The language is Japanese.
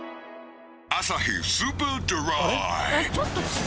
アサヒスーパードライ。